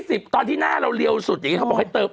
ตอนที่หน้าเราเรียวสุดอย่างนี้เขาบอกให้เติม